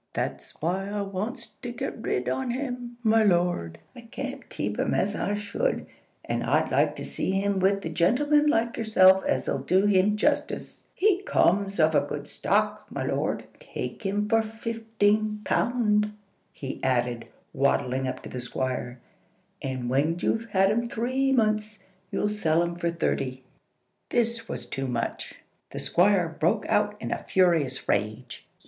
That's why I wants to get rid on him, my lord. I can't keep him as I should, and I'd like to see him with a gentleman like yourself as'll do him justice. He comes of a good stock, my lord. Take him for fifteen pound," he added, waddling up to the Squire, "and when you've had him three months, you'll sell him for thirty." This was too much. The Squire broke out in a furious rage.